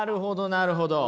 なるほど。